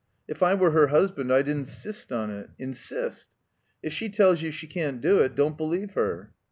If I were her husband I'd insist on it — insist If she tells you she can't do it, don't believe her."